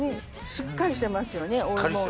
しっかりしてますよねお芋が。